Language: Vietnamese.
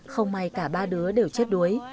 không may cả ba đứa đều chết đuối